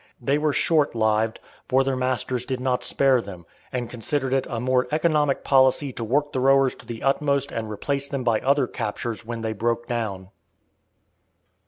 They were short lived, for their masters did not spare them, and considered it a more economic policy to work the rowers to the utmost and replace them by other captures when they broke down.